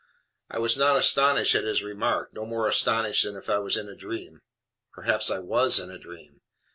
I was not astonished at his remark; no more astonished than if I was in a dream. Perhaps I WAS in a dream.